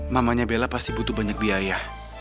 mamanya bella pasti butuh banyak biaya